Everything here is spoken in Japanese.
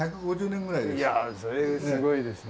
１５０年ぐらいです。